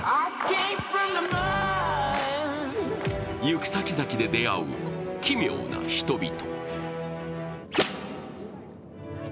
行く先々で出会う奇妙な人々。